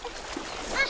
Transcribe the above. あっ！